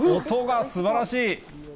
音がすばらしい。